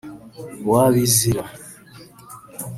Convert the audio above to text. wabizira